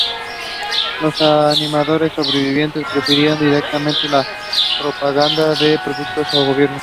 Los animadores sobrevivientes prefirieron dedicarse a la propaganda de productos o gobierno.